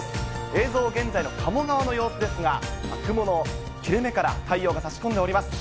映像は現在の鴨川の様子ですが、雲の切れ目から、太陽がさし込んでおります。